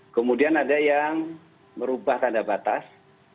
kemudian ada yang merubah tanda batas